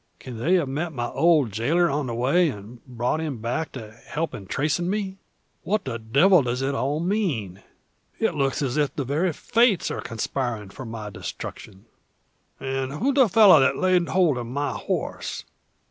Can they have met my old jailer on the way, and brought him back to help in tracing me? What the devil does it all mean? It looks as if the very Fates were conspiring for my destruction. "And who the fellow that laid hold of my horse?